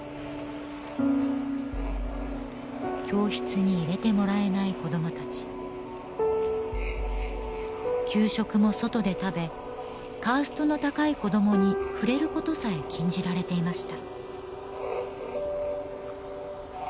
教室に入れてもらえない子どもたち給食も外で食べカーストの高い子どもに触れることさえ禁じられていました